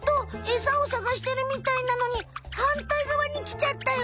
エサをさがしてるみたいなのにはんたいがわにきちゃったよ。